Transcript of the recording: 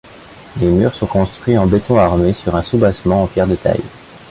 Les murs sont construits en béton armé sur un soubassement en pierres de taille.